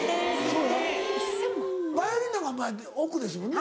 バイオリンなんか億ですもんね。